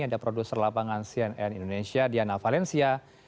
ada produser lapangan cnn indonesia diana valencia